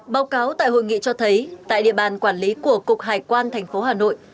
báo cáo tại hội nghị cho thấy tại địa bàn quản lý của cục hải quan tp hà nội